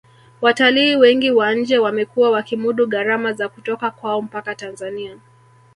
watalii wengi wa nje wamekuwa wakimudu gharama za kutoka kwao mpaka tanzania